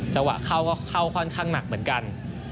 จังหวะเข้าก็เข้าค่อนข้างหนักเหมือนกัน